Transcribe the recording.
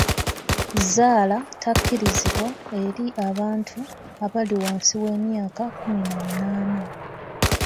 Zzaala takkirizibwa eri abantu abali wansi w'emyaka kkumi na munaana.